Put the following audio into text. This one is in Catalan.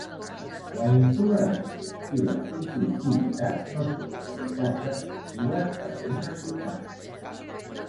La intolerància i la conflictivitat no són qualitats atractives per a una ciutat.